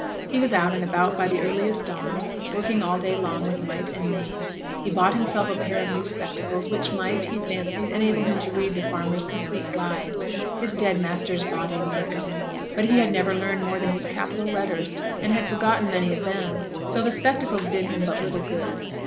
He was out and about by the earliest dawn, working all day long with might and main. He bought himself a pair of new spectacles, which might, he fancied, enable him to read the Farmer's Complete Guide, his dead master's vade mecum. But he had never learnt more than his capital letters, and had forgotten many of them; so the spectacles did him but little good.